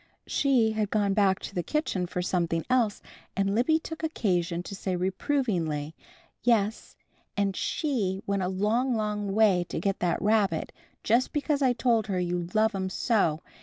She had gone back to the kitchen for something else, and Libby took occasion to say reprovingly, "Yes, and She went a long, long way to get that rabbit, just because I told her you love 'm so.